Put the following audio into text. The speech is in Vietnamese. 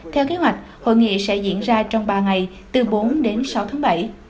theo kế hoạch hội nghị sẽ diễn ra trong ba ngày từ bốn đến sáu tháng bảy